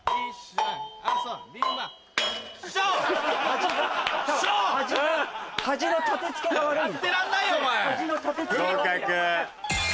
合格。